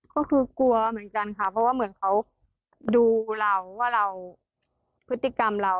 ก็คือกลัวเหมือนกันค่ะเพราะว่าเหมือนเขาดูเราว่าเราพฤติกรรมเรา